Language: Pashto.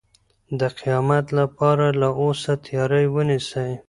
د قیامت لپاره له اوسه تیاری ونیسئ.